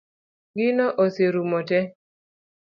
Gino oserumo tee